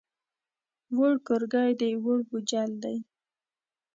ووړ کورګی دی، ووړ بوجل دی.